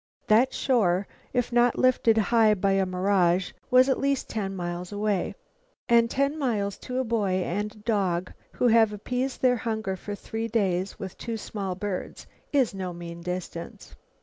That shore, if not lifted high by a mirage, was at least ten miles away. And ten miles to a boy and dog who have appeased their hunger for three days with two small birds, is no mean distance.